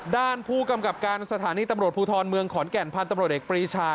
ด้านผู้กำกับการสถานีตำรวจภูทรเมืองขอนแก่นพันธุ์ตำรวจเอกปรีชา